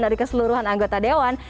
dari keseluruhan anggota dewan